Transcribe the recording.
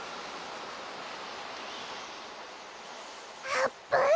あーぷん！